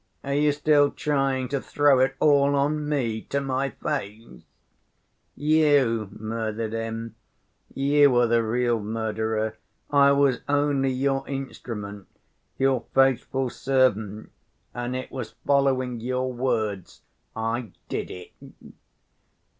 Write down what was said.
Are you still trying to throw it all on me, to my face? You murdered him; you are the real murderer, I was only your instrument, your faithful servant, and it was following your words I did it."